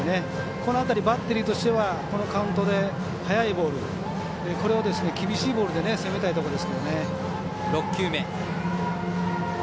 この辺り、バッテリーとしては速いボールでこれを厳しいボールで攻めたいところですよね。